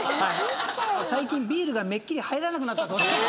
最近ビールがめっきり入らなくなったそうです。